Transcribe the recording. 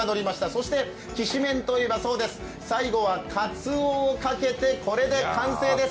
そしてきしめんといえばそうです、最後はかつおをかけてこれで完成です。